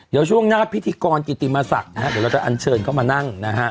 เดี๋ยวช่วงหน้าพิธีกรจิติมาศักดิ์เราจะอันเชิญเข้ามานั่งนะฮะ